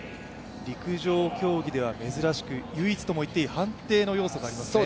陸上競技では珍しく、唯一と言ってもいい判定の要素がありますね。